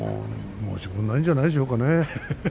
申し分ないんじゃないでしょうかね。